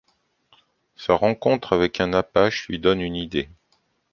Sa rencontre avec un apache lui donne une idée.